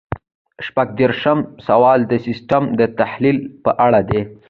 شپږ دېرشم سوال د سیسټم د تحلیل په اړه دی.